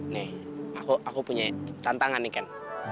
nih aku punya tantangan nih ken